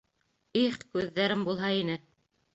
Их, күҙҙәрем булһа ине!